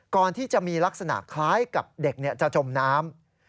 ก่อนที่จะมีลักษณะคล้ายกับเด็กจะจมน้ำ